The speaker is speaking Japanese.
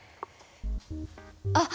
あっ！